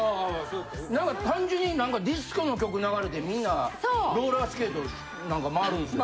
何か単純に何かディスコの曲流れてみんなローラースケート何か回るんですよ。